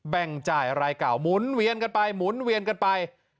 แบ่งจ่ายรายเก่าหมุนเวียนกันไปหมุนเวียนกันไป